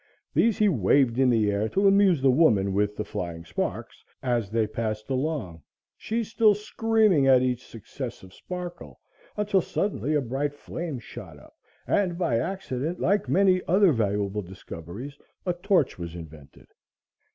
These he waved in the air to amuse the woman with the flying sparks, as they passed along, she still screaming at each successive sparkle, until suddenly a bright flame shot up and, by accident, like many other valuable discoveries, a torch was invented.